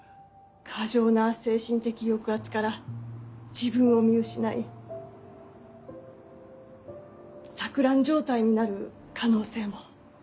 過剰な精神的抑圧から自分を見失い錯乱状態になる可能性も。